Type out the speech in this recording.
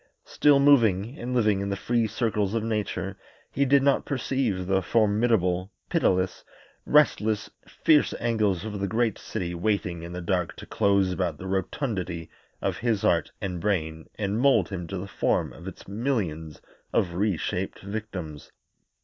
Still moving and living in the free circles of nature, he did not perceive the formidable, pitiless, restless, fierce angles of the great city waiting in the dark to close about the rotundity of his heart and brain and mould him to the form of its millions of re shaped victims.